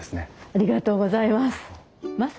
ありがとうございます。